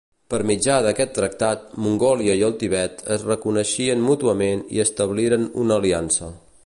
Per mitjà d'aquest tractat, Mongòlia i el Tibet es reconeixien mútuament i establien una aliança.